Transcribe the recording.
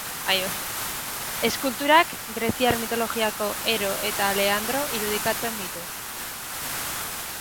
Eskulturak, greziar mitologiako Hero eta Leandro irudikatzen ditu.